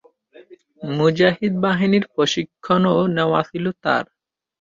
মুজাহিদ বাহিনীর প্রশিক্ষণও নেওয়া ছিল তার।